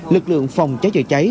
lực lượng phòng cháy chữa cháy